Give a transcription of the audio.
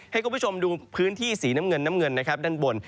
ให้คุณผู้ชมดูพื้นที่สีน้ำเงินน้ำเงินนะครับด้านบน